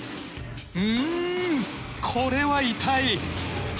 うーん、これは痛い。